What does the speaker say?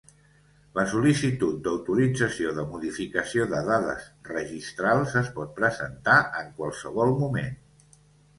La sol·licitud d'autorització de modificació de dades registrals es pot presentar en qualsevol moment.